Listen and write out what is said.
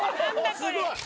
すごい。